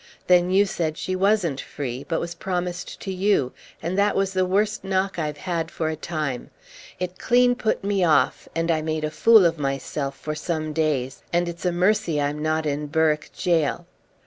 Then you said she wasn't free, but was promised to you, and that was the worst knock I've had for a time. It clean put me off, and I made a fool of myself for some days, and it's a mercy I'm not in Berwick gaol.